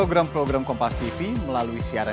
untuk membuat alur baru